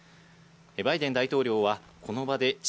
バイデン大統領は、この場で地